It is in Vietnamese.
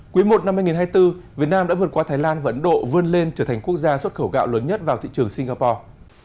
quý i năm hai nghìn hai mươi bốn việt nam đã vượt qua thái lan và ấn độ vươn lên trở thành quốc gia xuất khẩu gạo lớn nhất vào thị trường singapore